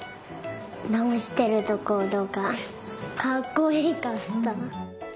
なおしてるところがかっこいかった。